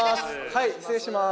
はい失礼します。